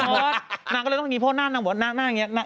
ปิดหมดนางก็เลยต้องมีโพสต์หน้านางบนหน้านางอย่างนี้